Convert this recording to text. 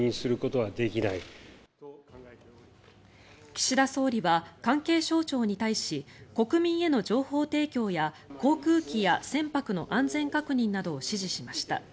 岸田総理は関係省庁に対し国民への情報提供や航空機や船舶の安全確認などを指示しました。